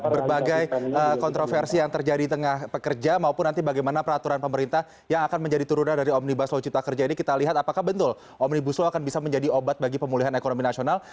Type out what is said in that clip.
berbagai kontroversi yang terjadi di tengah pekerja maupun nanti bagaimana peraturan pemerintah yang akan menjadi turunan dari omnibus law cipta kerja ini kita lihat apakah betul omnibus law akan bisa menjadi obat bagi pemulihan ekonomi nasional